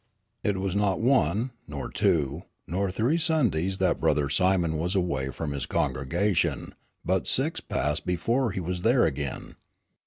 It was not one, nor two, nor three Sundays that Brother Simon was away from his congregation, but six passed before he was there again.